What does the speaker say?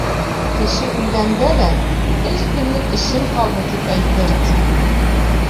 Кеше үлгәндә лә: «Өс көнлөк эшем ҡалды», тип әйтер, ти.